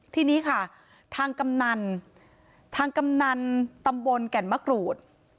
ทีนี้ค่ะทางกำนันทางกำนันตำบลแก่นมะกรูด